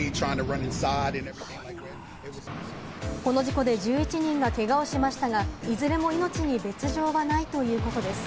この事故で１１人がけがをしましたが、いずれも命に別条はないということです。